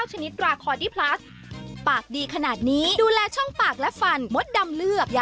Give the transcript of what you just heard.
สวัสดีคุณกันชาย